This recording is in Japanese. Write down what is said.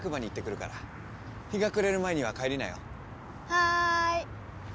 はい。